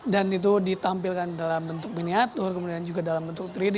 itu ditampilkan dalam bentuk miniatur kemudian juga dalam bentuk tiga d